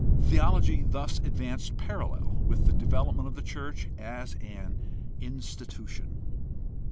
Theology thus advanced parallel with the development of the church as an institution.